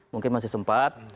mungkin masih sempat